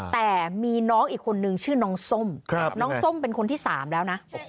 แต่มีน้องอีกคนนึงชื่อน้องส้มน้องส้มเป็นคนที่๓แล้วนะ